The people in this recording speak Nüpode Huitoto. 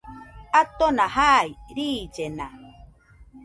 Atona jai, riillena